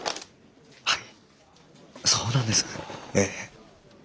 はいそうなんですええ。